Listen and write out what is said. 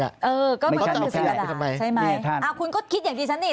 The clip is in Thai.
เออก็มันคือสินภาษาใช่ไหมคุณก็คิดอย่างดีซักนิด